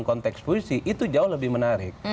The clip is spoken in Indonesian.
konteks puisi itu jauh lebih menarik